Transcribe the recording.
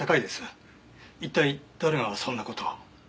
一体誰がそんな事を？